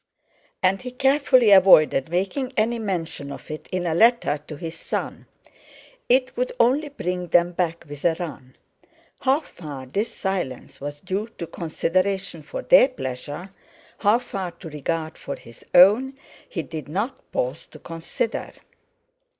And he carefully avoided making any mention of it in a letter to his son. It would only bring them back with a run! How far this silence was due to consideration for their pleasure, how far to regard for his own, he did not pause to consider.